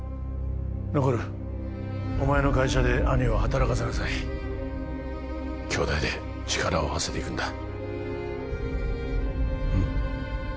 ノコルお前の会社で兄を働かせなさい兄弟で力を合わせていくんだうん